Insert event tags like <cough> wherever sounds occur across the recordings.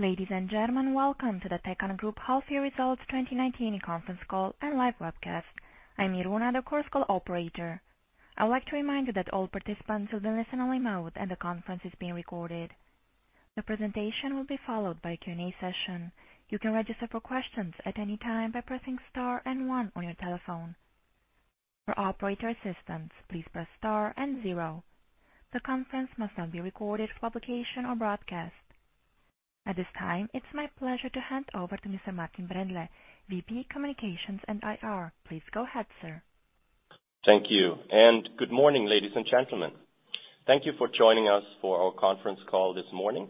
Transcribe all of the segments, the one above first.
Ladies and gentlemen, welcome to the Tecan Group Half Year Results 2019 conference call and live webcast. I'm Iruna, the core call operator. I'd like to remind you that all participants will be in listen-only mode, and the conference is being recorded. The presentation will be followed by a Q&A session. You can register for questions at any time by pressing star and one on your telephone. For operator assistance, please press star and zero. The conference must not be recorded for publication or broadcast. At this time, it's my pleasure to hand over to Mr. Martin Brändle, VP Communications and IR. Please go ahead, sir. Thank you. Good morning, ladies and gentlemen. Thank you for joining us for our conference call this morning.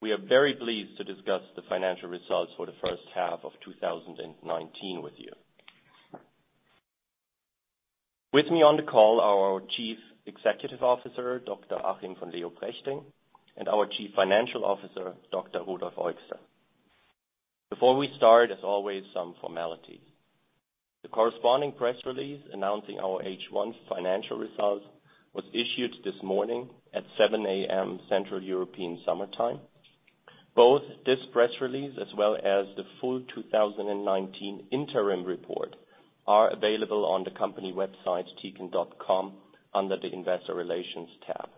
We are very pleased to discuss the financial results for the first half of 2019 with you. With me on the call are our Chief Executive Officer, Dr. Achim von Leoprechting, and our Chief Financial Officer, Dr. Rudolf Eugster. Before we start, as always, some formalities. The corresponding press release announcing our H1 financial results was issued this morning at 7:00 A.M. Central European summertime. Both this press release as well as the full 2019 interim report are available on the company website, tecan.com, under the Investor Relations tab.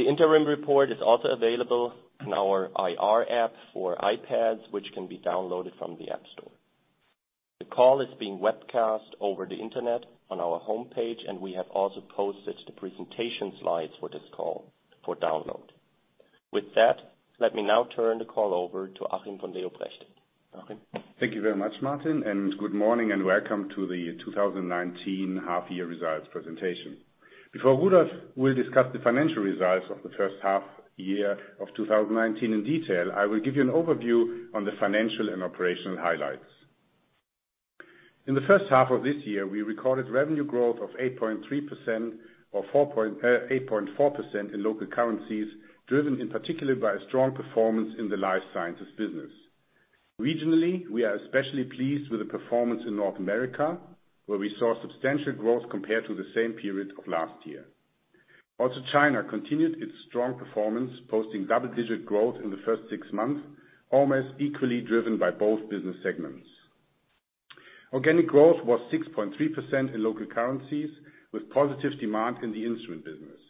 The interim report is also available in our IR app for iPads, which can be downloaded from the App Store. The call is being webcast over the internet on our homepage, and we have also posted the presentation slides for this call for download. With that, let me now turn the call over to Achim von Leoprechting. Achim? Thank you very much, Martin, and good morning and welcome to the 2019 half year results presentation. Before Rudolf will discuss the financial results of the first half year of 2019 in detail, I will give you an overview on the financial and operational highlights. In the first half of this year, we recorded revenue growth of 8.3% or 8.4% in local currencies, driven in particular by a strong performance in the Life Sciences business. Regionally, we are especially pleased with the performance in North America, where we saw substantial growth compared to the same period of last year. China continued its strong performance, posting double-digit growth in the first six months, almost equally driven by both business segments. Organic growth was 6.3% in local currencies, with positive demand in the instrument business.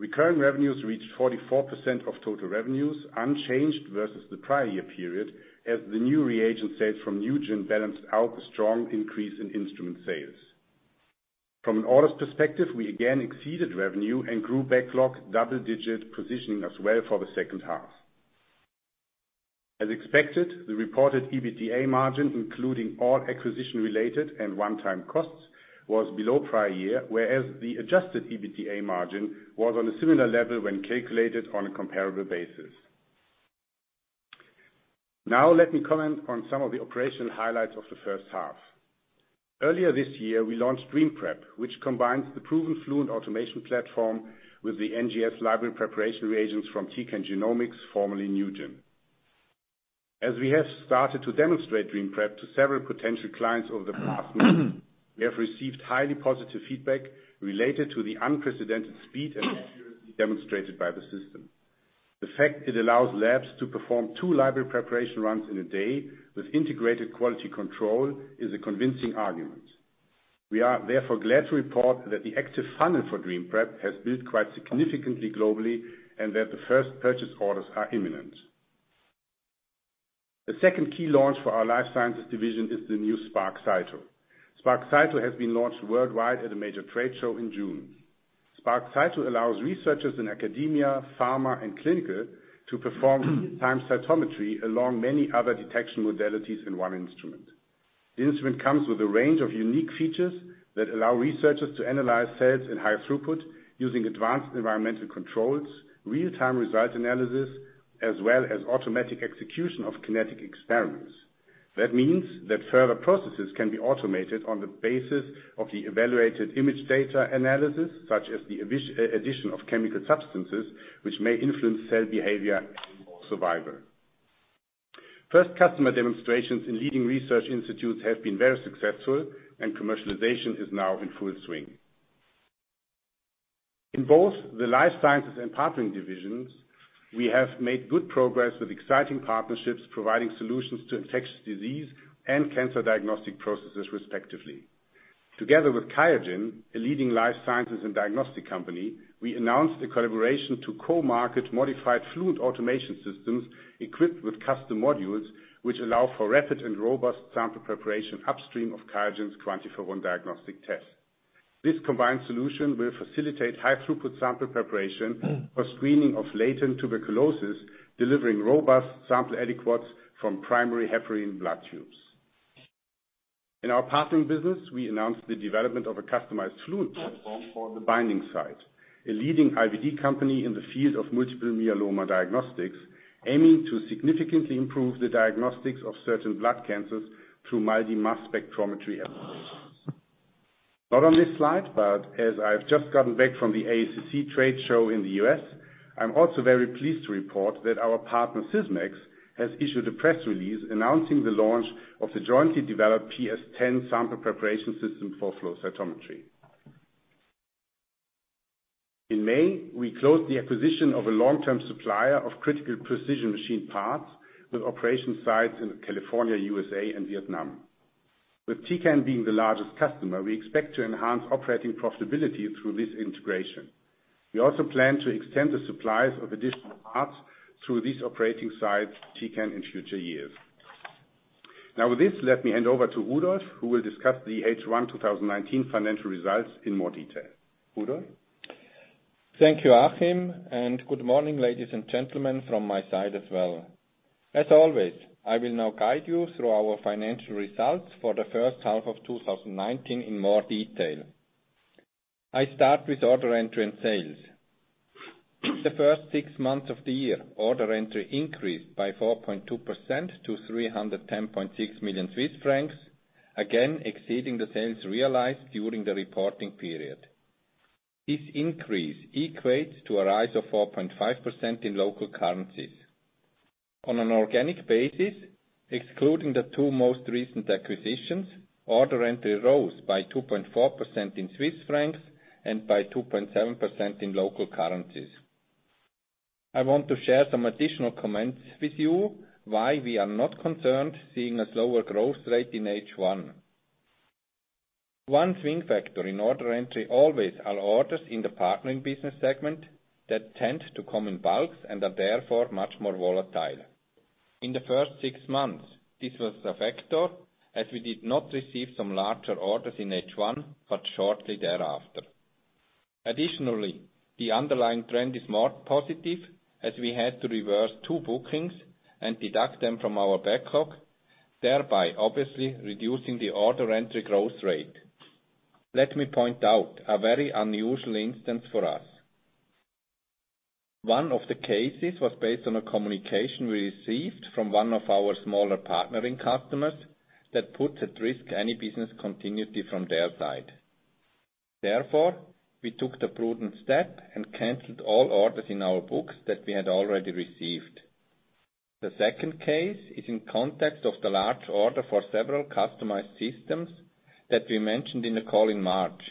Recurrent revenues reached 44% of total revenues, unchanged versus the prior year period, as the new reagent sales from NuGEN balanced out the strong increase in instrument sales. From an orders perspective, we again exceeded revenue and grew backlog double-digit, positioning us well for the second half. Expected, the reported EBITDA margin, including all acquisition-related and one-time costs, was below prior year, whereas the adjusted EBITDA margin was on a similar level when calculated on a comparable basis. Now let me comment on some of the operational highlights of the first half. Earlier this year, we launched DreamPrep, which combines the proven Fluent automation platform with the NGS library preparation reagents from Tecan Genomics, formerly NuGEN. As we have started to demonstrate DreamPrep to several potential clients over the past month, we have received highly positive feedback related to the unprecedented speed and accuracy demonstrated by the system. The fact it allows labs to perform two library preparation runs in a day with integrated quality control is a convincing argument. We are therefore glad to report that the active funnel for DreamPrep has built quite significantly globally and that the first purchase orders are imminent. The second key launch for our Life Sciences Division is the new Spark Cyto. Spark Cyto has been launched worldwide at a major trade show in June. Spark Cyto allows researchers in academia, pharma, and clinical to perform time cytometry along many other detection modalities in one instrument. The instrument comes with a range of unique features that allow researchers to analyze cells in high throughput using advanced environmental controls, real-time results analysis, as well as automatic execution of kinetic experiments. That means that further processes can be automated on the basis of the evaluated image data analysis, such as the addition of chemical substances, which may influence cell behavior and/or survival. First customer demonstrations in leading research institutes have been very successful, and commercialization is now in full swing. In both the Life Sciences and Partnering Business, we have made good progress with exciting partnerships providing solutions to infectious disease and cancer diagnostic processes, respectively. Together with QIAGEN, a leading Life Sciences and diagnostic company, we announced a collaboration to co-market modified Fluent automation systems equipped with custom modules, which allow for rapid and robust sample preparation upstream of QIAGEN's QuantiFERON-TB Gold Plus diagnostic test. This combined solution will facilitate high-throughput sample preparation for screening of latent tuberculosis, delivering robust sample aliquots from primary heparin blood tubes. In our Partnering Business, we announced the development of a customized fluid platform for The Binding Site, a leading IVD company in the field of multiple myeloma diagnostics, aiming to significantly improve the diagnostics of certain blood cancers through MALDI mass spectrometry applications. Not on this slide, but as I've just gotten back from the AACC trade show in the U.S., I'm also very pleased to report that our partner, Sysmex, has issued a press release announcing the launch of the jointly developed PS-10 sample preparation system for flow cytometry. In May, we closed the acquisition of a long-term supplier of critical precision machine parts with operation sites in California, USA and Vietnam. With Tecan being the largest customer, we expect to enhance operating profitability through this integration. We also plan to extend the supplies of additional parts through these operating sites to Tecan in future years. Now with this, let me hand over to Rudolf, who will discuss the H1 2019 financial results in more detail. Rudolf? Thank you, Achim, and good morning, ladies and gentlemen from my side as well. As always, I will now guide you through our financial results for the first half of 2019 in more detail. I start with order entry and sales. In the first six months of the year, order entry increased by 4.2% to 310.6 million Swiss francs, again, exceeding the sales realized during the reporting period. This increase equates to a rise of 4.5% in local currencies. On an organic basis, excluding the two most recent acquisitions, order entry rose by 2.4% in CHF and by 2.7% in local currencies. I want to share some additional comments with you why we are not concerned seeing a slower growth rate in H1. One swing factor in order entry always are orders in the Partnering Business segment that tend to come in bulks and are therefore much more volatile. In the first six months, this was a factor as we did not receive some larger orders in H1, but shortly thereafter. Additionally, the underlying trend is more positive as we had to reverse two bookings and deduct them from our backlog, thereby obviously reducing the order entry growth rate. Let me point out, a very unusual instance for us. One of the cases was based on a communication we received from one of our smaller partnering customers that put at risk any business continuity from their side. We took the prudent step and canceled all orders in our books that we had already received. The second case is in context of the large order for several customized systems that we mentioned in the call in March.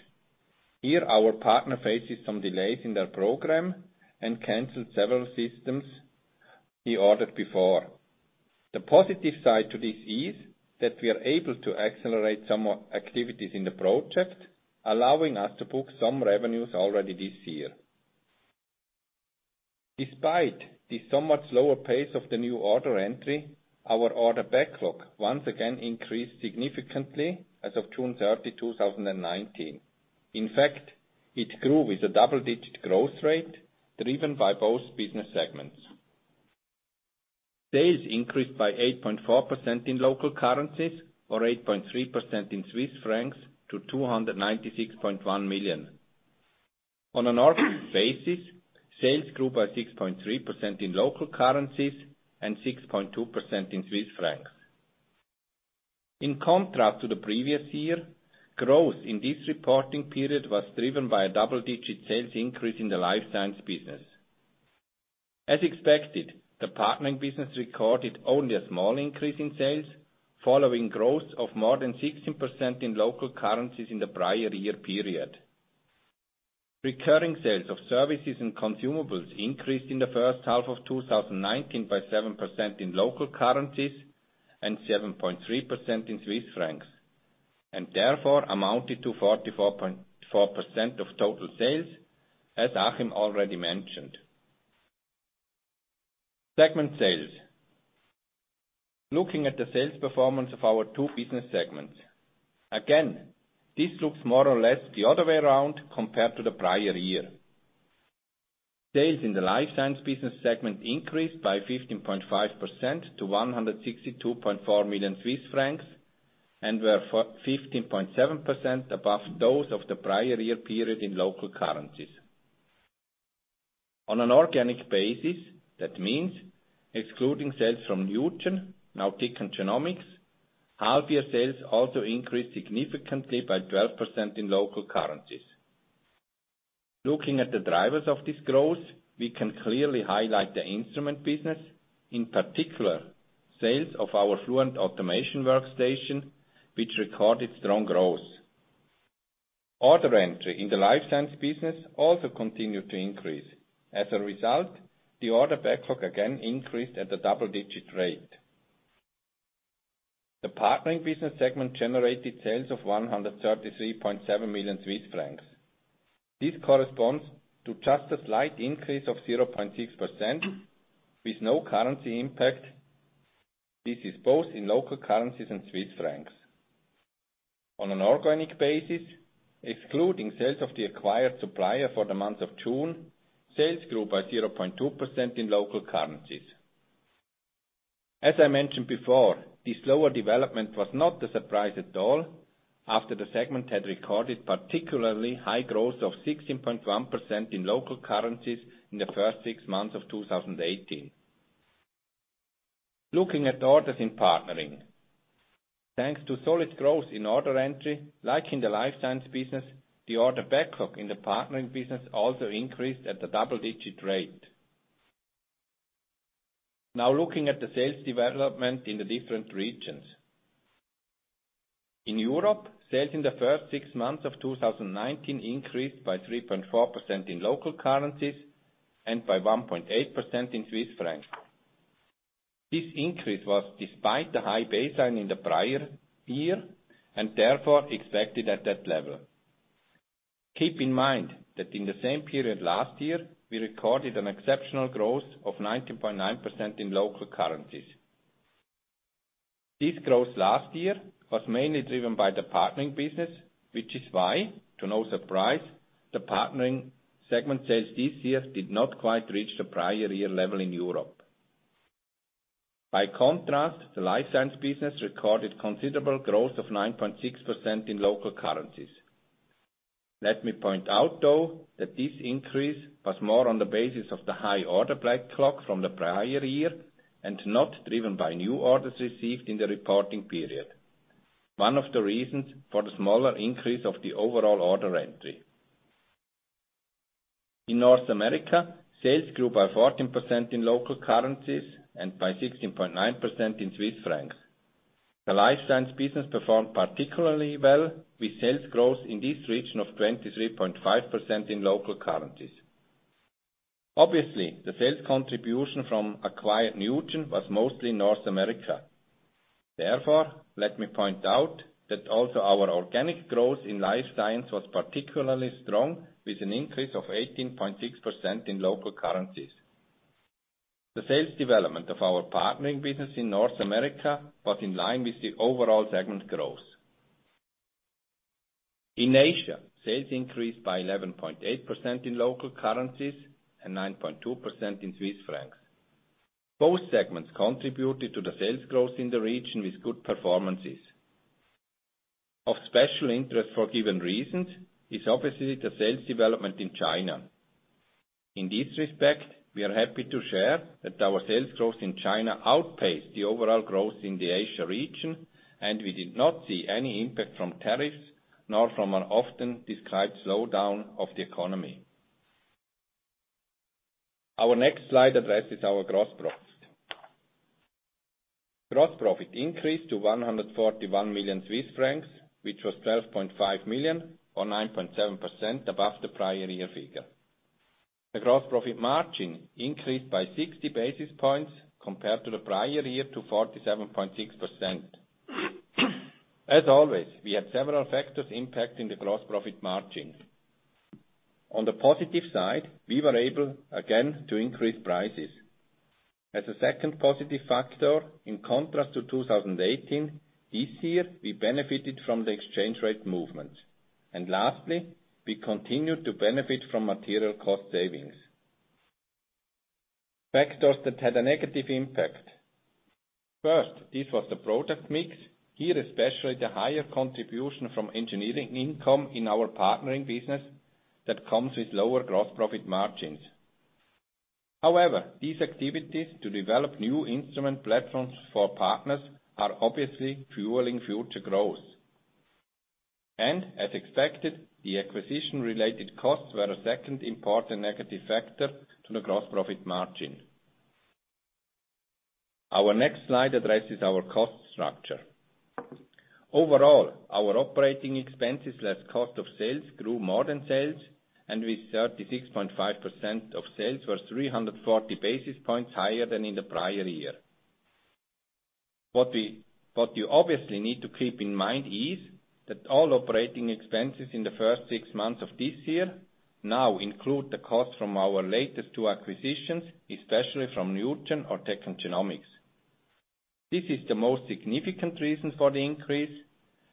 Here, our partner faces some delays in their program and canceled several systems he ordered before. The positive side to this is that we are able to accelerate some activities in the project, allowing us to book some revenues already this year. Despite the somewhat slower pace of the new order entry, our order backlog once again increased significantly as of June 30, 2019. In fact, it grew with a double-digit growth rate driven by both business segments. Sales increased by 8.4% in local currencies or 8.3% in CHF to 296.1 million Swiss francs. On an organic basis, sales grew by 6.3% in local currencies and 6.2% in CHF. In contrast to the previous year, growth in this reporting period was driven by a double-digit sales increase in the Life Science Business. As expected, the Partnering Business recorded only a small increase in sales, following growth of more than 16% in local currencies in the prior year period. Recurring sales of services and consumables increased in the first half of 2019 by 7% in local currencies, and 7.3% in CHF, and therefore amounted to 44.4% of total sales as Achim already mentioned. Segment sales. Looking at the sales performance of our two business segments. Again, this looks more or less the other way around compared to the prior year. Sales in the Life Science Business segment increased by 15.5% to 162.4 million Swiss francs and were 15.7% above those of the prior year period in local currencies. On an organic basis, that means excluding sales from NuGEN, now Tecan Genomics, half-year sales also increased significantly by 12% in local currencies. Looking at the drivers of this growth, we can clearly highlight the instrument business, in particular, sales of our Fluent automation workstation, which recorded strong growth. Order entry in the Life Science Business also continued to increase. As a result, the order backlog again increased at a double-digit rate. The Partnering Business segment generated sales of 133.7 million Swiss francs. This corresponds to just a slight increase of 0.6% with no currency impact. This is both in local currencies and CHF. On an organic basis, excluding sales of the acquired supplier for the month of June, sales grew by 0.2% in local currencies. As I mentioned before, the slower development was not a surprise at all after the segment had recorded particularly high growth of 16.1% in local currencies in the first six months of 2018. Looking at orders in Partnering Business. Thanks to solid growth in order entry, like in the life science business, the order backlog in the Partnering Business also increased at a double-digit rate. Looking at the sales development in the different regions. In Europe, sales in the first six months of 2019 increased by 3.4% in local currencies and by 1.8% in CHF. This increase was despite the high baseline in the prior year, and therefore expected at that level. Keep in mind that in the same period last year, we recorded an exceptional growth of 19.9% in local currencies. This growth last year was mainly driven by the Partnering Business, which is why, to no surprise, the Partnering Business sales this year did not quite reach the prior year level in Europe. By contrast, the Life Science Business recorded considerable growth of 9.6% in local currencies. Let me point out, though, that this increase was more on the basis of the high order backlog from the prior year and not driven by new orders received in the reporting period. One of the reasons for the smaller increase of the overall order entry. In North America, sales grew by 14% in local currencies and by 16.9% in CHF. The life science business performed particularly well with sales growth in this region of 23.5% in local currencies. Obviously, the sales contribution from acquired NuGEN was mostly North America. Therefore, let me point out that also our organic growth in life science was particularly strong, with an increase of 18.6% in local currencies. The sales development of our Partnering Business in North America was in line with the overall segment growth. In Asia, sales increased by 11.8% in local currencies and 9.2% in CHF. Both segments contributed to the sales growth in the region with good performances. Of special interest for given reasons is obviously the sales development in China. In this respect, we are happy to share that our sales growth in China outpaced the overall growth in the Asia region. We did not see any impact from tariffs nor from an often described slowdown of the economy. Our next slide addresses our gross profit. Gross profit increased to 141 million Swiss francs, which was 12.5 million or 9.7% above the prior year figure. The gross profit margin increased by 60 basis points compared to the prior year to 47.6%. As always, we had several factors impacting the gross profit margin. On the positive side, we were able, again, to increase prices. As a second positive factor, in contrast to 2018, this year we benefited from the exchange rate movement. Lastly, we continued to benefit from material cost savings. Factors that had a negative impact. First, this was the product mix, here especially the higher contribution from engineering income in our Partnering Business that comes with lower gross profit margins. However, these activities to develop new instrument platforms for partners are obviously fueling future growth. As expected, the acquisition-related costs were a second important negative factor to the gross profit margin. Our next slide addresses our cost structure. Overall, our operating expenses, less cost of sales, grew more than sales, and with 36.5% of sales were 340 basis points higher than in the prior year. What you obviously need to keep in mind is that all operating expenses in the first six months of this year now include the cost from our latest two acquisitions, especially from NuGEN or Tecan Genomics. This is the most significant reason for the increase,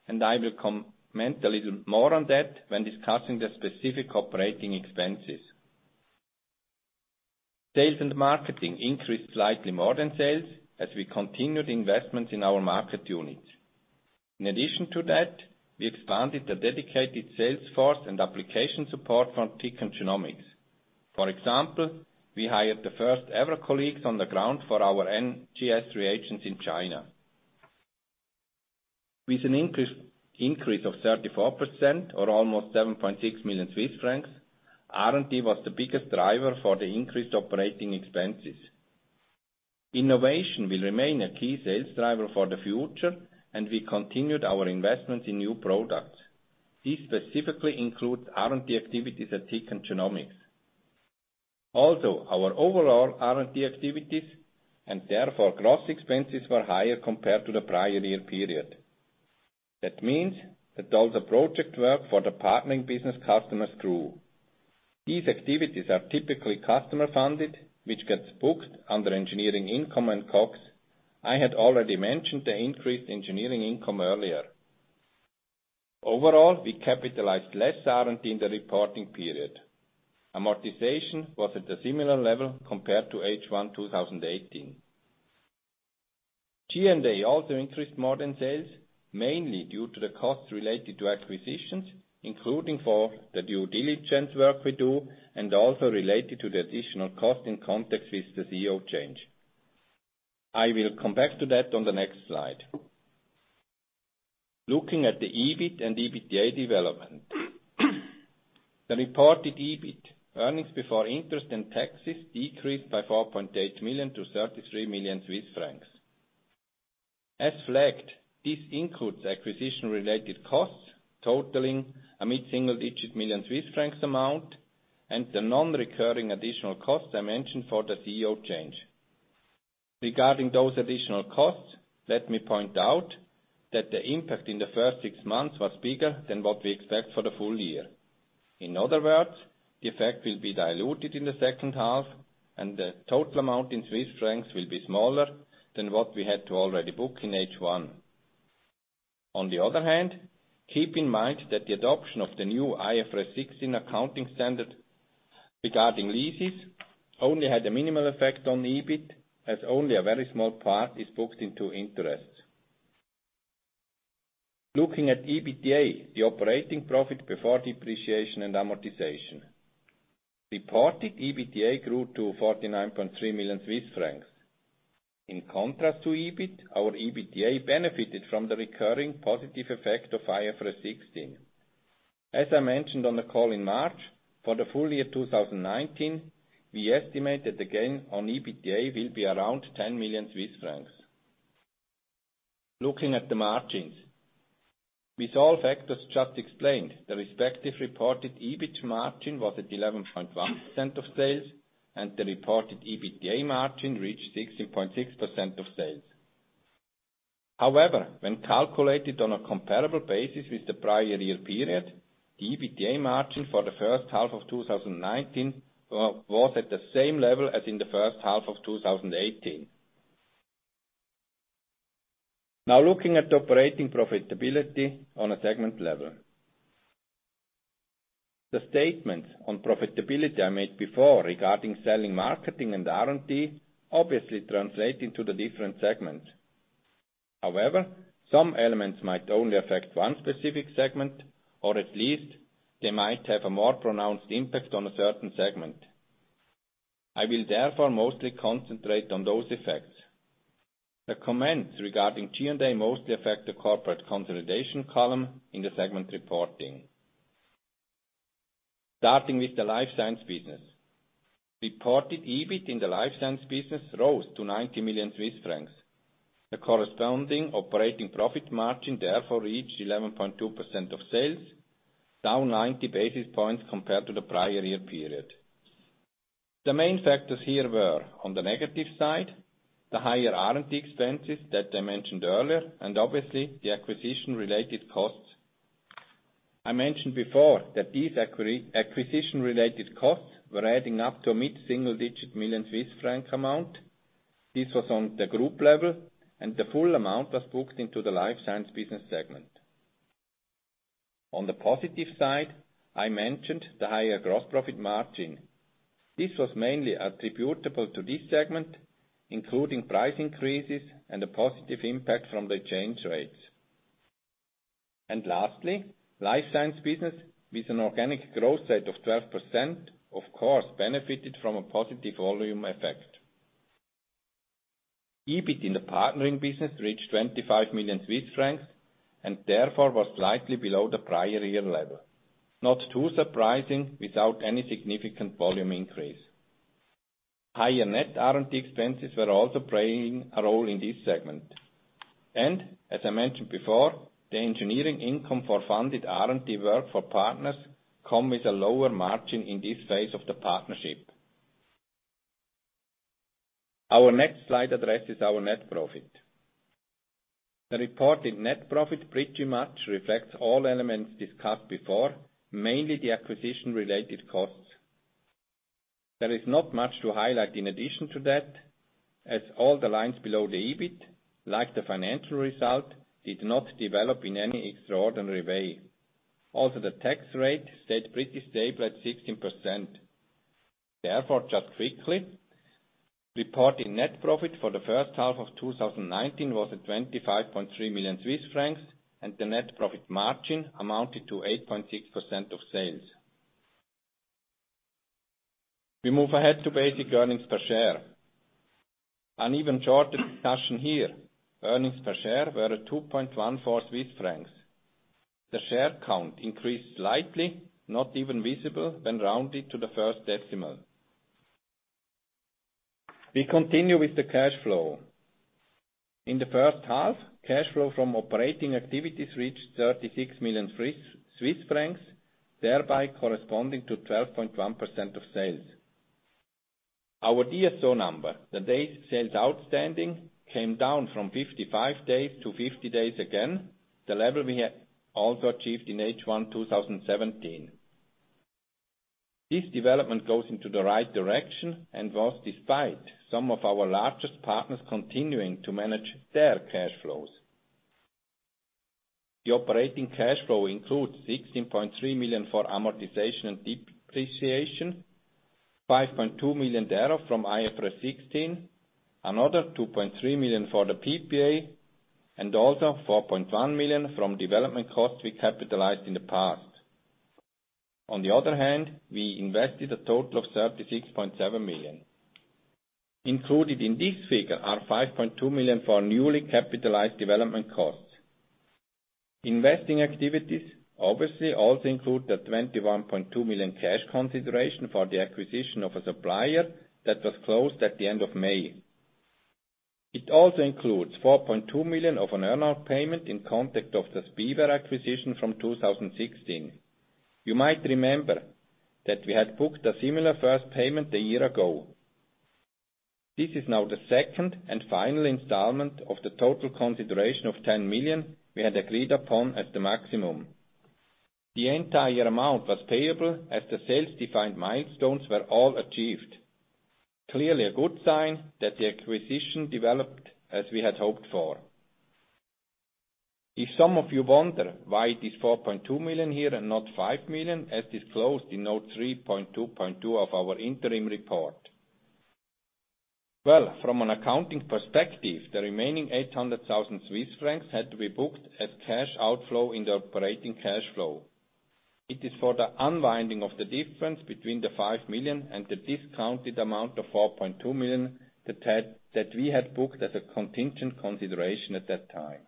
and I will comment a little more on that when discussing the specific operating expenses. Sales and marketing increased slightly more than sales as we continued investments in our market units. In addition to that, we expanded the dedicated sales force and application support from Tecan Genomics. For example, we hired the first ever colleagues on the ground for our NGS reagents in China. With an increase of 34% or almost 7.6 million Swiss francs, R&D was the biggest driver for the increased operating expenses. Innovation will remain a key sales driver for the future, and we continued our investments in new products. This specifically includes R&D activities at Tecan Genomics. Our overall R&D activities, and therefore gross expenses were higher compared to the prior year period. All the project work for the Partnering Business customers grew. These activities are typically customer-funded, which gets booked under engineering income and COGS. I had already mentioned the increased engineering income earlier. Overall, we capitalized less R&D in the reporting period. Amortization was at a similar level compared to H1 2018. G&A also increased more than sales, mainly due to the costs related to acquisitions, including for the due diligence work we do and also related to the additional cost in context with the CEO change. I will come back to that on the next slide. Looking at the EBIT and EBITDA development. The reported EBIT, earnings before interest and taxes, decreased by 4.8 million to 33 million Swiss francs. As flagged, this includes acquisition-related costs totaling a mid-single digit million CHF amount, and the non-recurring additional costs I mentioned for the CEO change. Regarding those additional costs, let me point out that the impact in the first six months was bigger than what we expect for the full year. In other words, the effect will be diluted in the second half, and the total amount in CHF will be smaller than what we had to already book in H1. On the other hand, keep in mind that the adoption of the new IFRS 16 accounting standard regarding leases only had a minimal effect on the EBIT, as only a very small part is booked into interest. Looking at EBITDA, the operating profit before depreciation and amortization. Reported EBITDA grew to 49.3 million Swiss francs. In contrast to EBIT, our EBITDA benefited from the recurring positive effect of IFRS 16. As I mentioned on the call in March, for the full year 2019, we estimate that the gain on EBITDA will be around 10 million Swiss francs. Looking at the margins. With all factors just explained, the respective reported EBIT margin was at 11.1% of sales, and the reported EBITDA margin reached 16.6% of sales. However, when calculated on a comparable basis with the prior year period, the EBITDA margin for the first half of 2019 was at the same level as in the first half of 2018. Now looking at operating profitability on a segment level. The statements on profitability I made before regarding selling, marketing, and R&D obviously translate into the different segments. However, some elements might only affect one specific segment, or at least they might have a more pronounced impact on a certain segment. I will therefore mostly concentrate on those effects. The comments regarding G&A mostly affect the corporate consolidation column in the segment reporting. Starting with the Life Science Business. Reported EBIT in the Life Science Business rose to 90 million Swiss francs. The corresponding operating profit margin therefore reached 11.2% of sales, down 90 basis points compared to the prior year period. The main factors here were, on the negative side, the higher R&D expenses that I mentioned earlier, and obviously, the acquisition-related costs. I mentioned before that these acquisition-related costs were adding up to a mid-single digit million CHF amount. This was on the group level, and the full amount was booked into the Life Science Business segment. On the positive side, I mentioned the higher gross profit margin. This was mainly attributable to this segment, including price increases and a positive impact from the change rates. Lastly, life science business with an organic growth rate of 12%, of course benefited from a positive volume effect. EBIT in the Partnering Business reached 25 million Swiss francs, and therefore was slightly below the prior year level. Not too surprising without any significant volume increase. Higher net R&D expenses were also playing a role in this segment. As I mentioned before, the engineering income for funded R&D work for partners come with a lower margin in this phase of the partnership. Our next slide addresses our net profit. The reported net profit pretty much reflects all elements discussed before, mainly the acquisition-related costs. There is not much to highlight in addition to that, as all the lines below the EBIT, like the financial result, did not develop in any extraordinary way. The tax rate stayed pretty stable at 16%. Therefore, just quickly, reported net profit for the first half of 2019 was at 25.3 million Swiss francs, and the net profit margin amounted to 8.6% of sales. We move ahead to basic earnings per share. An even shorter discussion here. Earnings per share were at 2.14 Swiss francs. The share count increased slightly, not even visible when rounded to the first decimal. We continue with the cash flow. In the first half, cash flow from operating activities reached 36 million Swiss francs, thereby corresponding to 12.1% of sales. Our DSO number, the days sales outstanding, came down from 55 days to 50 days again, the level we had also achieved in H1 2017. This development goes into the right direction and was despite some of our largest partners continuing to manage their cash flows. The operating cash flow includes 16.3 million for amortization and depreciation, 5.2 million thereof from IFRS 16, another 2.3 million for the PPA, and also 4.1 million from development costs we capitalized in the past. On the other hand, we invested a total of 36.7 million. Included in this figure are 5.2 million for newly capitalized development costs. Investing activities obviously also include the 21.2 million cash consideration for the acquisition of a supplier that was closed at the end of May. It also includes 4.2 million of an earn-out payment in context of the SPEware acquisition from 2016. You might remember that we had booked a similar first payment a year ago. This is now the second and final installment of the total consideration of 10 million we had agreed upon as the maximum. The entire amount was payable as the sales-defined milestones were all achieved. Clearly a good sign that the acquisition developed as we had hoped for. If some of you wonder why it is 4.2 million here and not 5 million as disclosed in Note 3.2.2 of our interim report. Well, from an accounting perspective, the remaining 800,000 Swiss francs had to be booked as cash outflow in the operating cash flow. It is for the unwinding of the difference between the 5 million and the discounted amount of 4.2 million that we had booked as a contingent consideration at that time.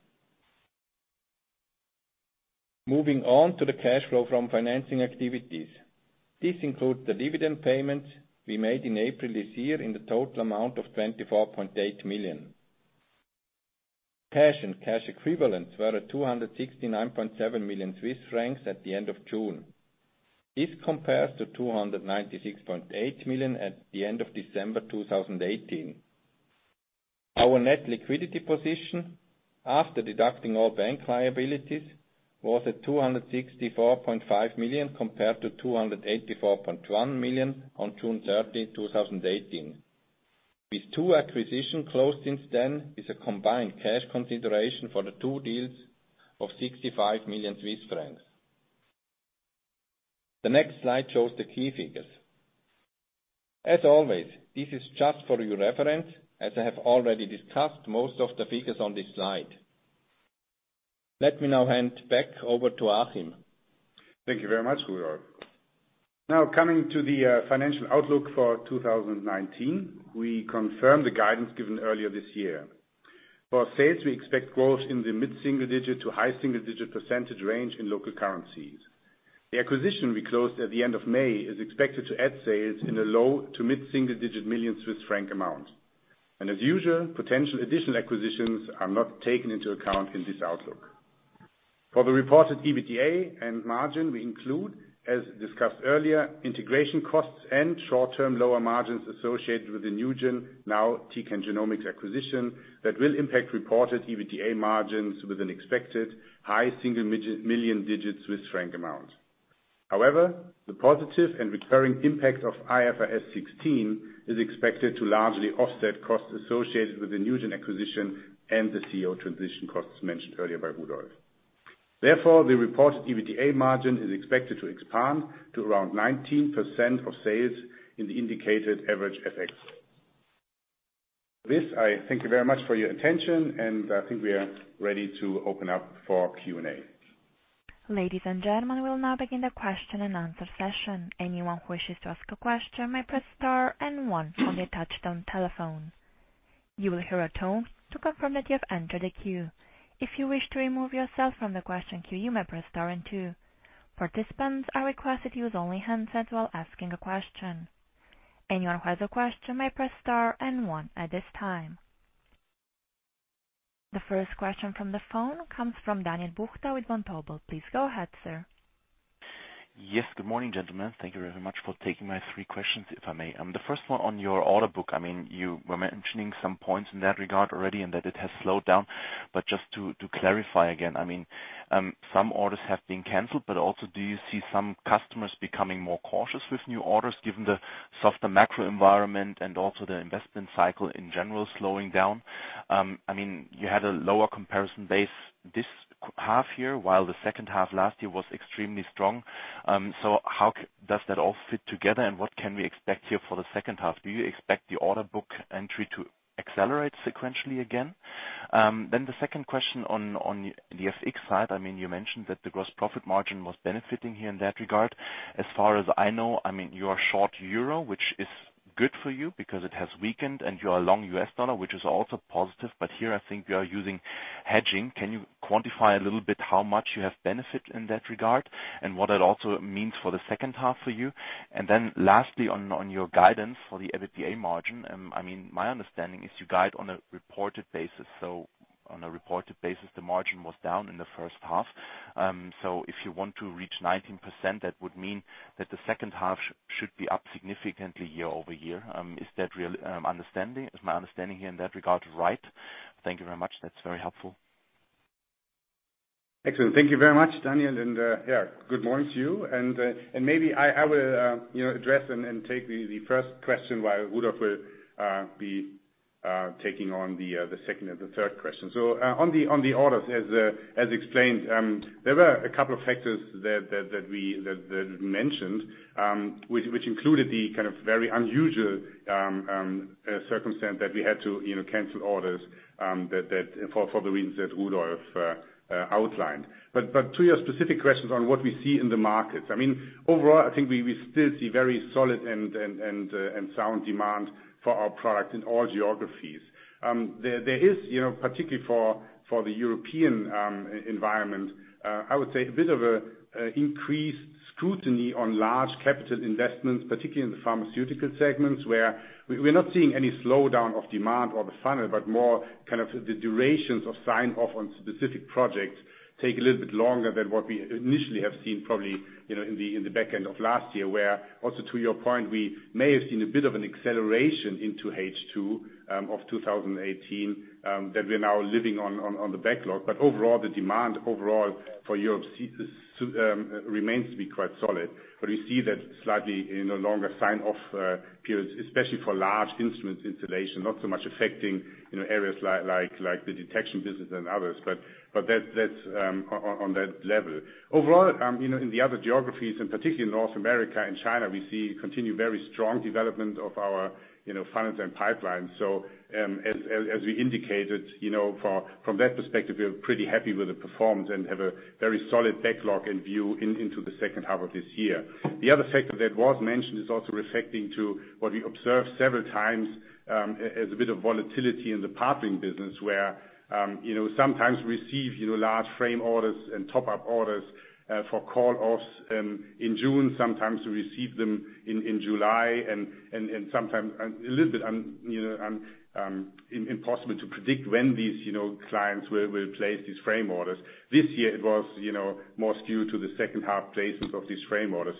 Moving on to the cash flow from financing activities. This includes the dividend payments we made in April this year in the total amount of 24.8 million. Cash and cash equivalents were at 269.7 million Swiss francs at the end of June. This compares to 296.8 million at the end of December 2018. Our net liquidity position, after deducting all bank liabilities, was at 264.5 million compared to 284.1 million on June 30, 2018. With two acquisitions closed since then is a combined cash consideration for the two deals of 65 million Swiss francs. The next slide shows the key figures. As always, this is just for your reference, as I have already discussed most of the figures on this slide. Let me now hand back over to Achim. Thank you very much, Rudolf. Coming to the financial outlook for 2019. We confirm the guidance given earlier this year. For sales, we expect growth in the mid-single digit to high single digit percentage range in local currencies. The acquisition we closed at the end of May is expected to add sales in a low to mid-single digit million CHF amount. As usual, potential additional acquisitions are not taken into account in this outlook. For the reported EBITDA and margin, we include, as discussed earlier, integration costs and short-term lower margins associated with the NuGEN, now Tecan Genomics acquisition, that will impact reported EBITDA margins with an expected high single million digits CHF amount. However, the positive and recurring impact of IFRS 16 is expected to largely offset costs associated with the NuGEN acquisition and the COGS transition costs mentioned earlier by Rudolf. Therefore, the reported EBITDA margin is expected to expand to around 19% of sales in the indicated average FX. With this, I thank you very much for your attention. I think we are ready to open up for Q&A. Ladies and gentlemen, we will now begin the question and answer session. Anyone who wishes to ask a question may press star and one on their touch-tone telephone. You will hear a tone to confirm that you have entered a queue. If you wish to remove yourself from the question queue, you may press star and two. Participants are requested to use only handsets while asking a question. Anyone who has a question may press star and one at this time. The first question from the phone comes from Daniel Buchta with Vontobel. Please go ahead, sir. Yes. Good morning, gentlemen. Thank you very much for taking my three questions, if I may. The first one on your order book, you were mentioning some points in that regard already and that it has slowed down. Just to clarify again, some orders have been canceled, but also, do you see some customers becoming more cautious with new orders given the softer macro environment and also the investment cycle in general slowing down? You had a lower comparison base this half-year, while the second half last year was extremely strong. How does that all fit together and what can we expect here for the second half? Do you expect the order book entry to accelerate sequentially again? The second question on the FX side. You mentioned that the gross profit margin was benefiting here in that regard. As far as I know, you are short EUR, which is good for you because it has weakened, and you are long USD, which is also positive. Here I think you are using hedging. Can you quantify a little bit how much you have benefited in that regard and what it also means for the second half for you? Lastly, on your guidance for the EBITDA margin. My understanding is you guide on a reported basis. On a reported basis, the margin was down in the first half. If you want to reach 19%, that would mean that the second half should be up significantly year-over-year. Is my understanding here in that regard right? Thank you very much. That's very helpful. Excellent. Thank you very much, Daniel, and good morning to you. Maybe I will address and take the first question while Rudolf will be taking on the second and the third question. On the orders, as explained, there were a couple of factors that we mentioned, which included the very unusual circumstance that we had to cancel orders for the reasons that Rudolf outlined. To your specific questions on what we see in the markets. Overall, I think we still see very solid and sound demand for our product in all geographies. There is, particularly for the European environment, I would say a bit of increased scrutiny on large capital investments, particularly in the pharmaceutical segments, where we're not seeing any slowdown of demand or the funnel, but more the durations of sign-off on specific projects take a little bit longer than what we initially have seen probably in the back end of last year. Where also, to your point, we may have seen a bit of an acceleration into H2 of 2018, that we're now living on the backlog. Overall, the demand overall for Europe remains to be quite solid. We see that slightly in longer sign-off periods, especially for large instruments installation, not so much affecting areas like the detection business and others, but that's on that level. Overall, in the other geographies and particularly in North America and China, we see continued very strong development of our funnels and pipelines. As we indicated, from that perspective, we are pretty happy with the performance and have a very solid backlog in view into the second half of this year. The other factor that was mentioned is also reflecting to what we observed several times, as a bit of volatility in the Partnering Business, where sometimes we receive large frame orders and top-up orders for call-offs in June, sometimes we receive them in July, and a little bit impossible to predict when these clients will place these frame orders. This year it was more skewed to the second half placements of these frame orders.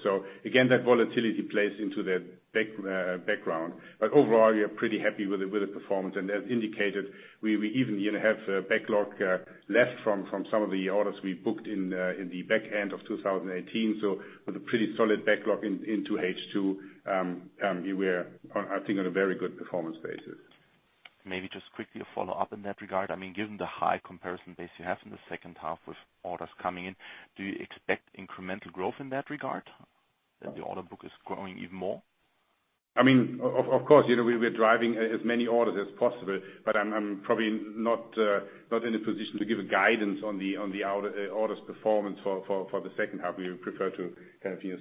Again, that volatility plays into the background. Overall, we are pretty happy with the performance. As indicated, we even have a backlog left from some of the orders we booked in the back end of 2018. With a pretty solid backlog into H2, we were, I think, on a very good performance basis. Maybe just quickly a follow-up in that regard. Given the high comparison base you have in the second half with orders coming in, do you expect incremental growth in that regard? That the order book is growing even more? Of course, we're driving as many orders as possible, but I'm probably not in a position to give a guidance on the orders performance for the second half. We would prefer to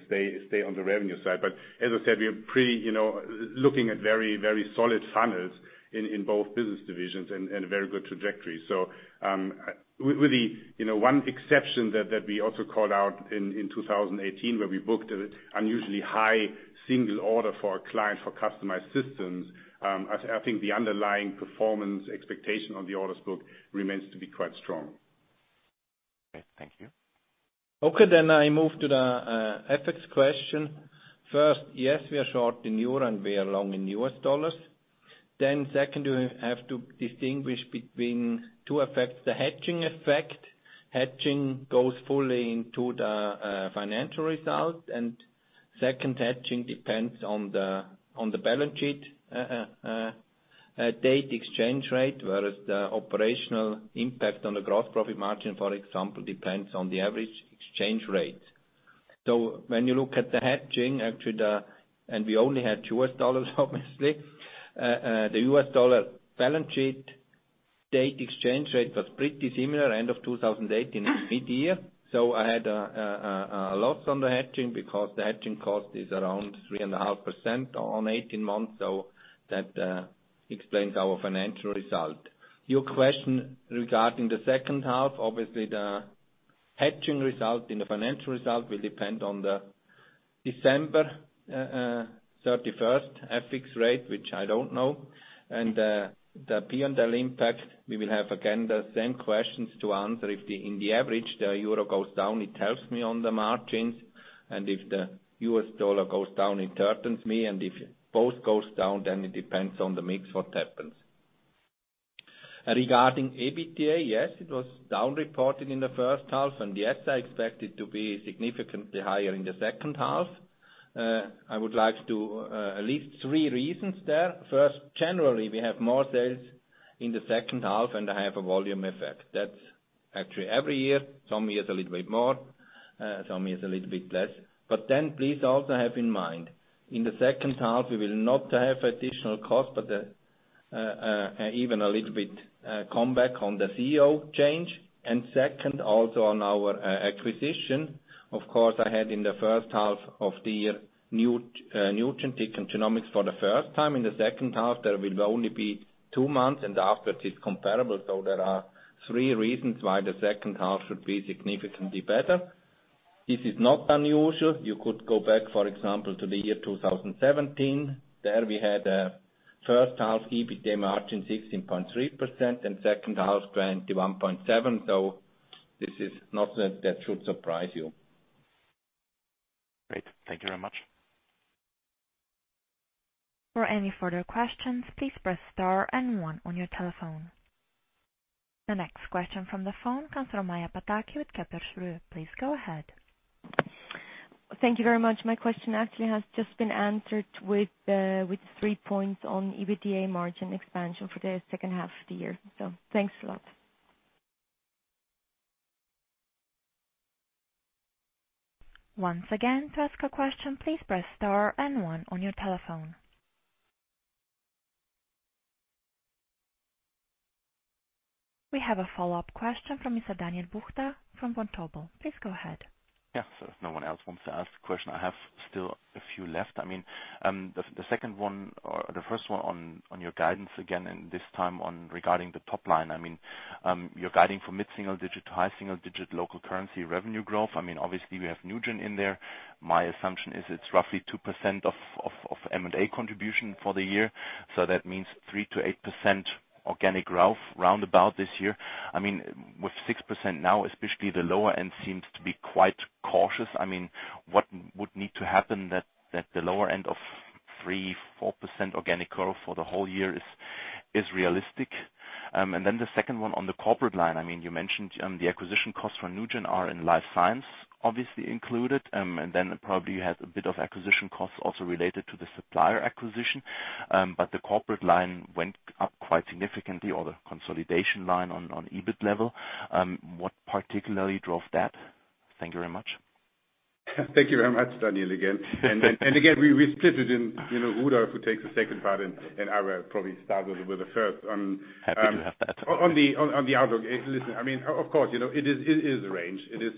stay on the revenue side. As I said, we're looking at very solid funnels in both business divisions and a very good trajectory. With the one exception that we also called out in 2018, where we booked an unusually high single order for a client for customized systems. I think the underlying performance expectation on the orders book remains to be quite strong. Okay. Thank you. Okay. I move to the FX question. First, yes, we are short in euro and we are long in U.S. dollars. Second, we have to distinguish between two effects. The hedging effect. Hedging goes fully into the financial result, and second, hedging depends on the balance sheet date exchange rate, whereas the operational impact on the gross profit margin, for example, depends on the average exchange rate. When you look at the hedging, and we only had U.S. dollars obviously. The U.S. dollar balance sheet date exchange rate was pretty similar end of 2018 mid-year. I had a loss on the hedging because the hedging cost is around 3.5% on 18 months. That explains our financial result. Your question regarding the second half. Obviously, the hedging result and the financial result will depend on the December 31st FX rate, which I don't know. The P&L impact, we will have again the same questions to answer. If in the average the euro goes down, it helps me on the margins, and if the U.S. dollar goes down, it hurts me, and if both go down, then it depends on the mix what happens. Regarding EBITDA, yes, it was down reported in the first half, and yes, I expect it to be significantly higher in the second half. I would like to list three reasons there. First, generally, we have more sales in the second half, and I have a volume effect. That's actually every year. Some years a little bit more, some years a little bit less. Please also have in mind, in the second half, we will not have additional costs, but even a little bit comeback on the CEO change. Second, also on our acquisition. Of course, I had in the first half of the year, NuGEN, Tecan Genomics for the first time. In the second half, there will only be two months, and after it is comparable. There are three reasons why the second half should be significantly better. This is not unusual. You could go back, for example, to the year 2017. There we had a first half EBITDA margin 16.3% and second half 21.7%. This is not that should surprise you. Great. Thank you very much. For any further questions, please press star and one on your telephone. The next question from the phone comes from Maja Pataki with Kepler Cheuvreux. Please go ahead. Thank you very much. My question actually has just been answered with three points on EBITDA margin expansion for the second half of the year. Thanks a lot. Once again, to ask a question, please press star and one on your telephone. We have a follow-up question from Mr. Daniel Buchta from Vontobel. Please go ahead. If no one else wants to ask a question, I have still a few left. The first one on your guidance again, this time regarding the top line. You are guiding for mid-single-digit to high-single-digit local currency revenue growth. Obviously, we have NuGEN in there. My assumption is it is roughly 2% of M&A contribution for the year. That means 3%-8% organic growth roundabout this year. With 6% now, especially the lower end seems to be quite cautious. What would need to happen that the lower end of 3%, 4% organic growth for the whole year is realistic? Then the second one on the corporate line. You mentioned the acquisition costs for NuGEN are in Life Science, obviously included. Then probably you had a bit of acquisition costs also related to the supplier acquisition. The corporate line went up quite significantly or the consolidation line on EBIT level. What particularly drove that? Thank you very much. Thank you very much, Daniel, again. Again, we split it in Rudolf, who takes the second part and I will probably start with the first. Happy to have that. On the outlook. Listen, of course, it is a range. It is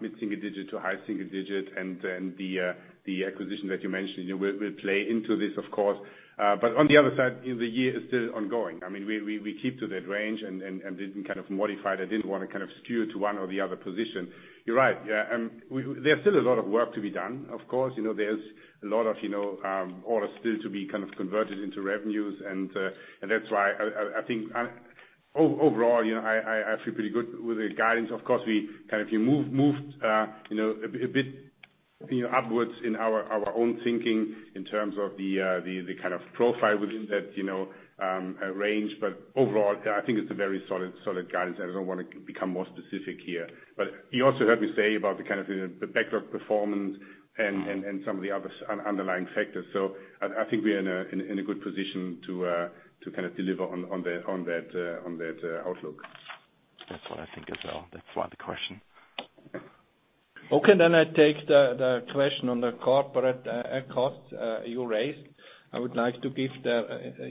mid-single digit to high single digit, and then the acquisition that you mentioned will play into this, of course. On the other side, the year is still ongoing. We keep to that range and didn't kind of modify that, didn't want to kind of skew to one or the other position. You're right. There's still a lot of work to be done, of course. There's a lot of orders still to be converted into revenues. That's why I think overall, I feel pretty good with the guidance. Of course, we kind of moved a bit upwards in our own thinking in terms of the kind of profile within that range. Overall, I think it's a very solid guidance. I don't want to become more specific here. You also heard me say about the kind of the backlog performance and some of the other underlying factors. I think we are in a good position to deliver on that outlook. That's what I think as well. That's why the question. Okay, I take the question on the corporate costs you raised. I would like to give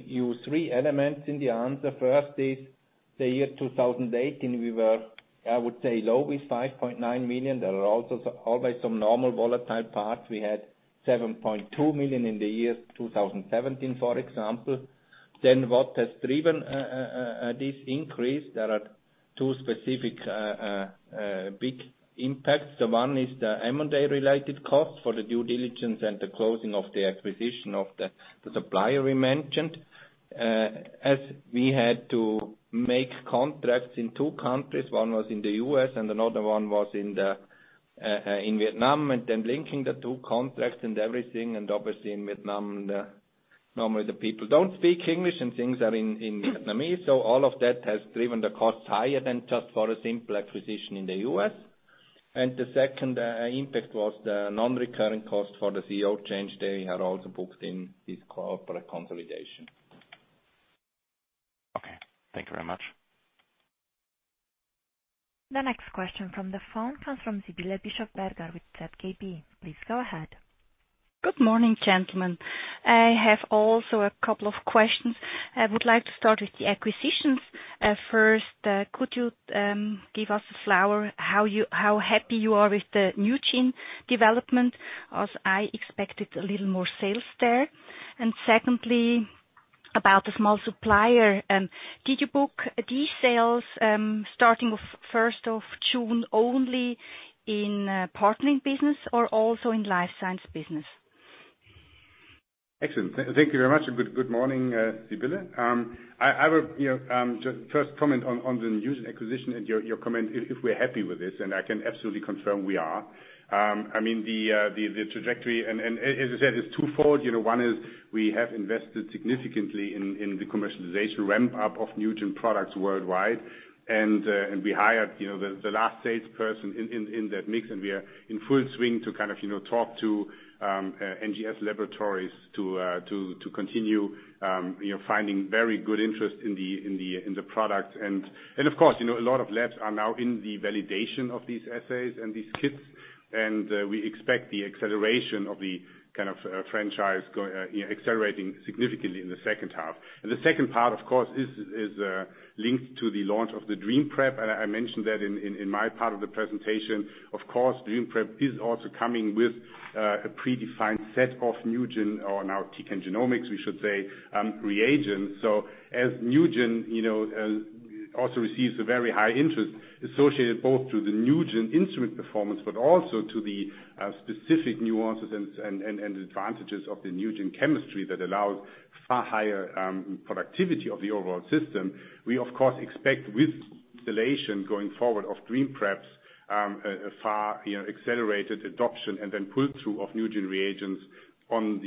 you three elements in the answer. First is the year 2018, we were, I would say, low with 5.9 million. There are also always some normal volatile parts. We had 7.2 million in the year 2017, for example. What has driven this increase, there are two specific big impacts. One is the M&A-related cost for the due diligence and the closing of the acquisition of the supplier we mentioned. We had to make contracts in two countries, one was in the U.S. and another one was in Vietnam, and then linking the two contracts and everything, and obviously in Vietnam, normally the people don't speak English and things are in Vietnamese. All of that has driven the costs higher than just for a simple acquisition in the U.S. The second impact was the non-recurring cost for the CEO change. They had also booked in this corporate consolidation. Okay. Thank you very much. The next question from the phone comes from Sibylle Bischofberger with ZKB. Please go ahead. Good morning, gentlemen. I have also a couple of questions. I would like to start with the acquisitions. First, could you give us a flavor, how happy you are with the NuGEN development, as I expected a little more sales there. Secondly, about the small supplier, did you book these sales starting of first of June only in Partnering Business or also in life science business? Excellent. Thank you very much. Good morning, Sibylle. I will just first comment on the NuGEN acquisition and your comment if we're happy with this, and I can absolutely confirm we are. The trajectory, and as I said, it's twofold. One is we have invested significantly in the commercialization ramp-up of NuGEN products worldwide. We hired the last salesperson in that mix, and we are in full swing to talk to NGS laboratories to continue finding very good interest in the product. Of course, a lot of labs are now in the validation of these assays and these kits, and we expect the acceleration of the franchise accelerating significantly in the second half. The second part, of course, is linked to the launch of the DreamPrep, and I mentioned that in my part of the presentation. DreamPrep is also coming with a predefined set of NuGEN or now Tecan Genomics, we should say, reagents. As NuGEN also receives a very high interest associated both to the NuGEN instrument performance, but also to the specific nuances and advantages of the NuGEN chemistry that allows far higher productivity of the overall system, we of course expect with installation going forward of DreamPrep a far accelerated adoption and then pull-through of NuGEN reagents on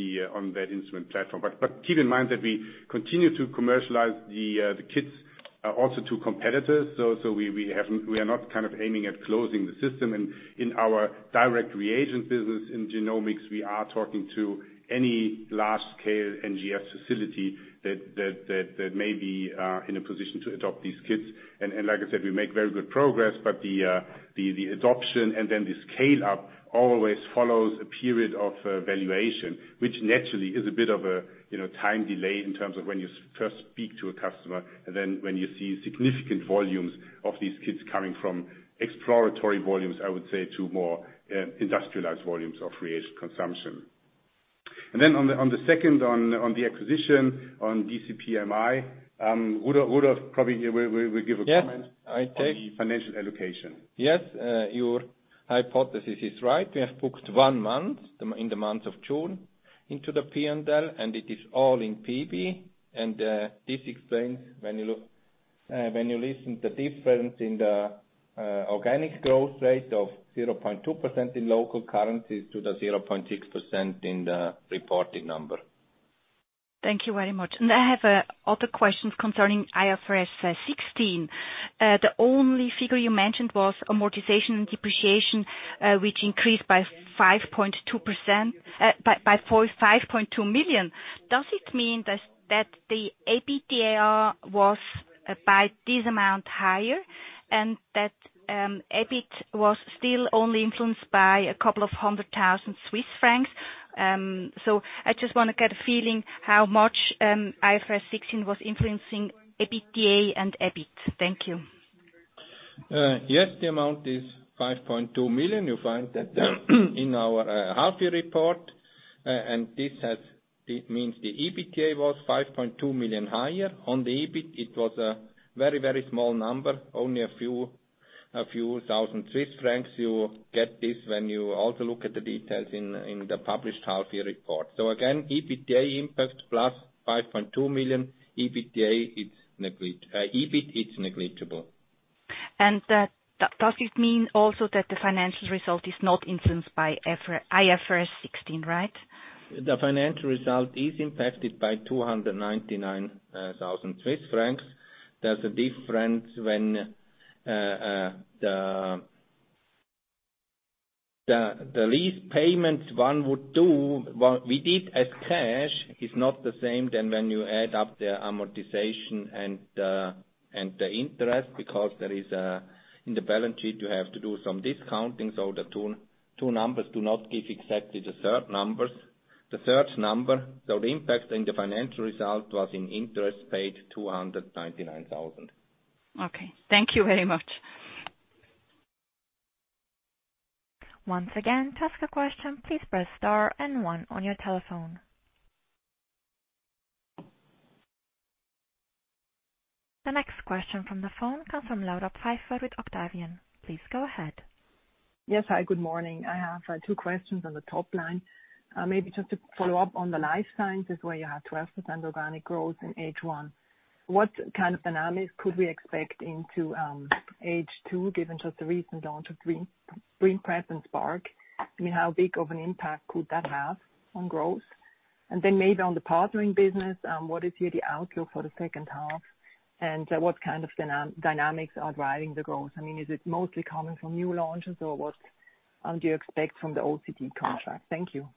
that instrument platform. Keep in mind that we continue to commercialize the kits Also to competitors. We are not aiming at closing the system. In our direct reagent business in genomics, we are talking to any large-scale NGS facility that may be in a position to adopt these kits. Like I said, we make very good progress, but the adoption and then the scale-up always follows a period of valuation, which naturally is a bit of a time delay in terms of when you first speak to a customer, and then when you see significant volumes of these kits coming from exploratory volumes, I would say, to more industrialized volumes of reagent consumption. Then on the second, on the acquisition, on DCPMI, Rudolf probably will give a comment- Yes, I. On the financial allocation. Yes, your hypothesis is right. We have booked one month, in the month of June, into the P&L, and it is all in PB. This explains when you listen, the difference in the organic growth rate of 0.2% in local currencies to the 0.6% in the reported number. Thank you very much. I have other questions concerning IFRS 16. The only figure you mentioned was amortization and depreciation, which increased by 5.2 million. Does it mean that the EBITDA was by this amount higher and that EBIT was still only influenced by a couple of hundred thousand CHF? I just want to get a feeling how much IFRS 16 was influencing EBITDA and EBIT. Thank you. Yes, the amount is 5.2 million. You find that in our half-year report. This means the EBITDA was 5.2 million higher. On the EBIT, it was a very small number, only a few thousand CHF. You get this when you also look at the details in the published half-year report. Again, EBITDA impact plus 5.2 million. EBIT is negligible. Does it mean also that the financial result is not influenced by IFRS 16, right? The financial result is impacted by 299,000 Swiss francs. There's a difference when the lease payments one would do, we did as cash, is not the same then when you add up the amortization and the interest because there is, in the balance sheet, you have to do some discounting. The two numbers do not give exactly the third numbers. The third number, the impact in the financial result was in interest paid, 299,000. Okay. Thank you very much. Once again, to ask a question, please press star and one on your telephone. The next question from the phone comes from Laura Pfeifer with Octavian. Please go ahead. Yes, hi, good morning. I have two questions on the top line. Maybe just to follow up on the Life Sciences, where you have 12% organic growth in H1. What kind of dynamics could we expect into H2, given just the recent launch of DreamPrep and Spark? I mean, how big of an impact could that have on growth? Maybe on the Partnering Business, what is here the outlook for the second half and what kind of dynamics are driving the growth? I mean, is it mostly coming from new launches or what do you expect from the OEM contract? Thank you.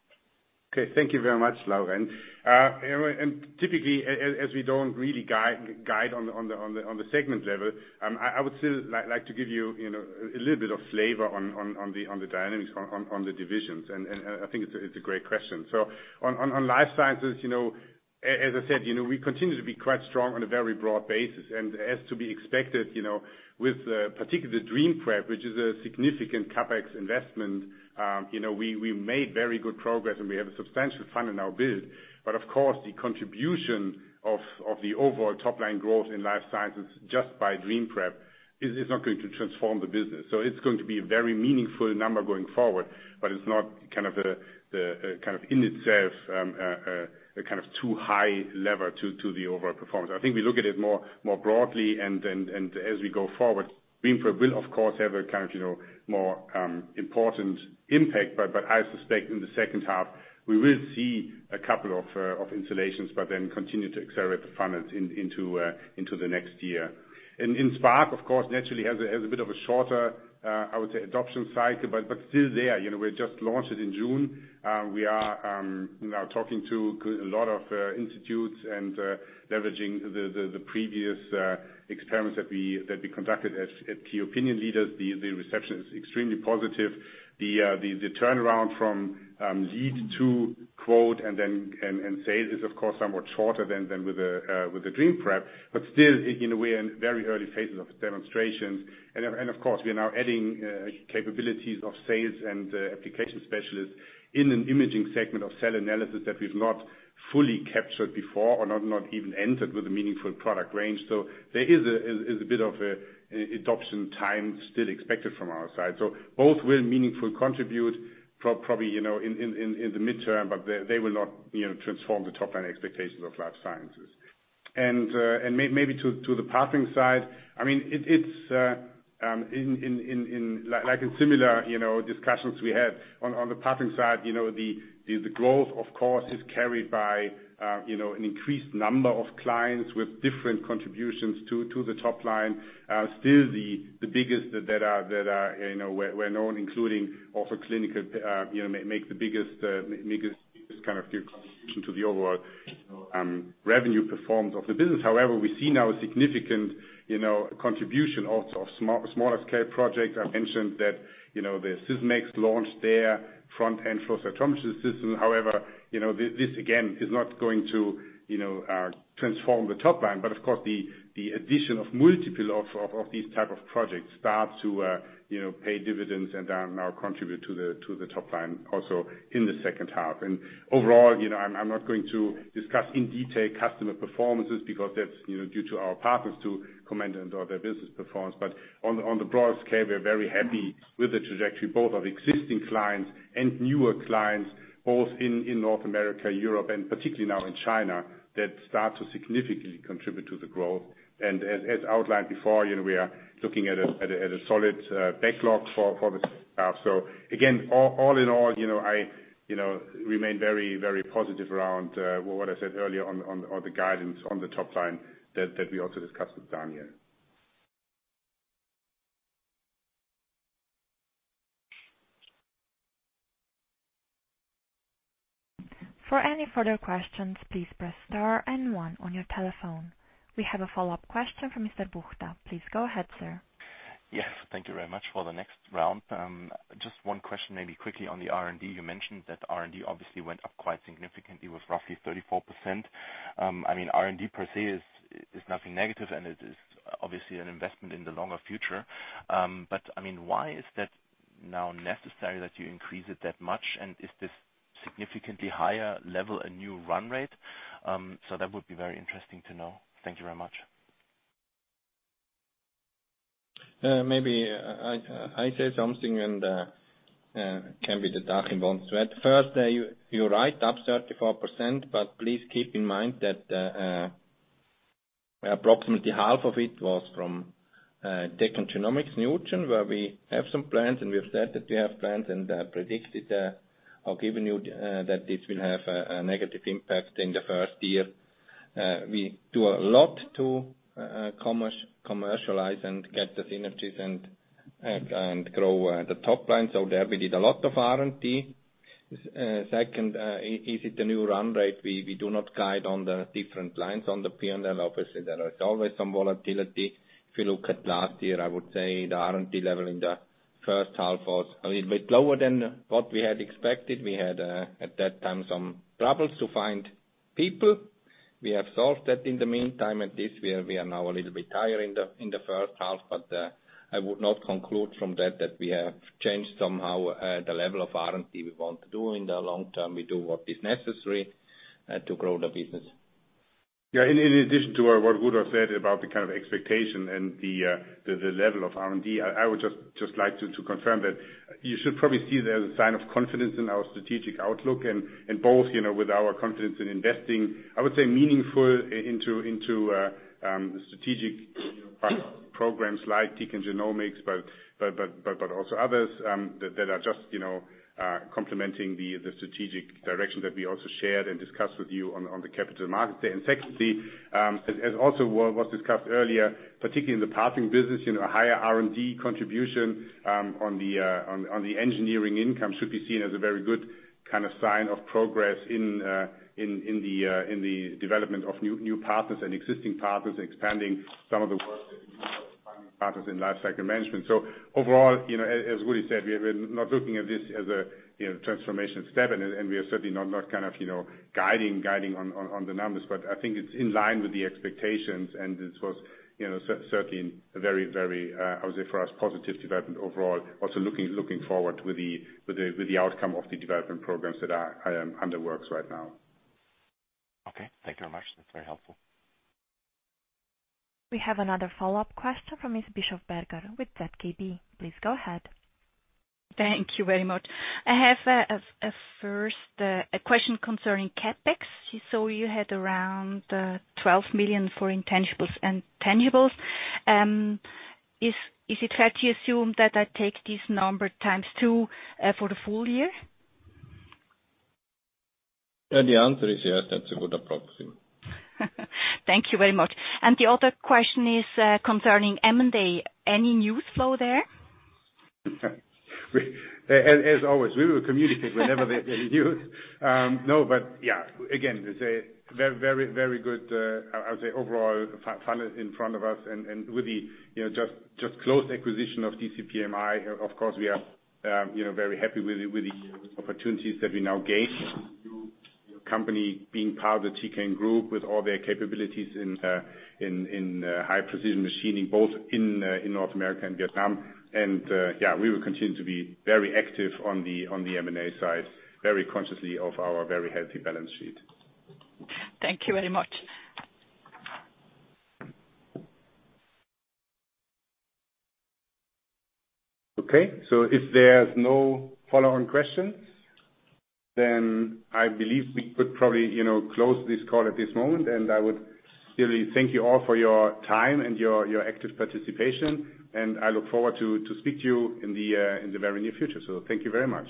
Okay, thank you very much, Laura. Typically, as we don't really guide on the segment level, I would still like to give you a little bit of flavor on the dynamics on the divisions, and I think it's a great question. On Life Sciences, as I said, we continue to be quite strong on a very broad basis. As to be expected, with particularly DreamPrep, which is a significant CapEx investment, we made very good progress and we have a substantial fund in our build. Of course, the contribution of the overall top-line growth in Life Sciences just by DreamPrep is not going to transform the business. It's going to be a very meaningful number going forward, but it's not in itself a kind of too high lever to the overall performance. I think we look at it more broadly and as we go forward, DreamPrep will, of course, have a more important impact. I suspect in the second half, we will see a couple of installations, but then continue to accelerate the funding into the next year. In Spark, of course, naturally has a bit of a shorter, I would say, adoption cycle, but still there. We just launched it in June. We are now talking to a lot of institutes and leveraging the previous experiments that we conducted at key opinion leaders. The reception is extremely positive. The turnaround from lead to quote and sales is, of course, somewhat shorter than with the DreamPrep, but still, we're in very early phases of demonstrations. Of course, we are now adding capabilities of sales and application specialists in an imaging segment of cell analysis that we've not fully captured before or not even entered with a meaningful product range. There is a bit of adoption time still expected from our side. Both will meaningful contribute probably in the midterm, but they will not transform the top-line expectations of Life Sciences. Maybe to the Partnering Business side, like in similar discussions we had on the Partnering Business side, the growth of course is carried by an increased number of clients with different contributions to the top line. Still the biggest that are well-known including also clinical, make the biggest kind of contribution to the overall revenue performance of the business. However, we see now a significant contribution also of smaller scale projects. I mentioned that the Sysmex launched their front-end flow cytometry system. However, this again is not going to transform the top line, but of course the addition of multiple of these type of projects start to pay dividends and now contribute to the top line also in the second half. Overall, I'm not going to discuss in detail customer performances because that's due to our partners to comment on their business performance. On the broader scale, we are very happy with the trajectory both of existing clients and newer clients, both in North America, Europe, and particularly now in China, that start to significantly contribute to the growth. As outlined before, we are looking at a solid backlog for the staff. Again, all in all, I remain very positive around what I said earlier on the guidance on the top line that we also discussed with Daniel. For any further questions, please press star and one on your telephone. We have a follow-up question from Mr. Buchta. Please go ahead, sir. Yes. Thank you very much. For the next round, just one question maybe quickly on the R&D. You mentioned that R&D obviously went up quite significantly with roughly 34%. R&D per se is nothing negative. It is obviously an investment in the longer future. Why is that now necessary that you increase it that much? Is this significantly higher level a new run rate? That would be very interesting to know. Thank you very much. Maybe I say something and can be. <inaudible> First, you're right, up 34%, but please keep in mind that approximately half of it was from Tecan Genomics, NuGEN, where we have some plans, and we have said that we have plans and predicted or given you that this will have a negative impact in the first year. We do a lot to commercialize and get the synergies and grow the top line. There we did a lot of R&D. Second, is it a new run rate? We do not guide on the different lines on the P&L. Obviously, there is always some volatility. If you look at last year, I would say the R&D level in the first half was a little bit lower than what we had expected. We had, at that time, some troubles to find people. We have solved that in the meantime, and this we are now a little bit higher in the first half, but I would not conclude from that we have changed somehow the level of R&D we want to do in the long term. We do what is necessary to grow the business. In addition to what Rudolf said about the kind of expectation and the level of R&D, I would just like to confirm that you should probably see that as a sign of confidence in our strategic outlook and both with our confidence in investing, I would say meaningful into the strategic programs like Tecan Genomics, but also others that are just complementing the strategic direction that we also shared and discussed with you on the capital markets day. Secondly, as also what was discussed earlier, particularly in the Partnering Business, a higher R&D contribution on the engineering income should be seen as a very good kind of sign of progress in the development of new partners and existing partners expanding some of the work that we do with partners in life cycle management. Overall, as Ruedi said, we are not looking at this as a transformation step, and we are certainly not kind of guiding on the numbers. I think it's in line with the expectations, and this was certainly a very, I would say, for us, positive development overall. Also looking forward with the outcome of the development programs that are under works right now. Okay. Thank you very much. That's very helpful. We have another follow-up question from Miss Bischofberger with ZKB. Please go ahead. Thank you very much. I have first, a question concerning CapEx. You had around 12 million for intangibles and tangibles. Is it fair to assume that I take this number times two for the full year? The answer is yes, that's a good approximation. Thank you very much. The other question is concerning M&A. Any news flow there? As always, we will communicate whenever there's any news. No, yeah. Again, it's a very good, I would say, overall funnel in front of us and with the just close acquisition of DCPMI, of course, we are very happy with the opportunities that we now gain, the company being part of the Tecan Group with all their capabilities in high precision machining, both in North America and Vietnam. Yeah, we will continue to be very active on the M&A side, very consciously of our very healthy balance sheet. Thank you very much. Okay. If there's no follow-on questions, I believe we could probably close this call at this moment. I would really thank you all for your time and your active participation. I look forward to speak to you in the very near future. Thank you very much.